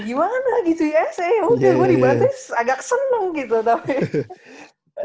ya gimana gitu usa mungkin gua di banta agak seneng gitu tapi